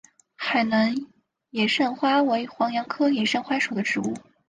海南野扇花为黄杨科野扇花属的植物。